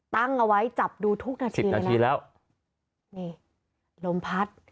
ตั้งเอาไว้จับดูทุกนาทีนาทีแล้วนี่ลมพัด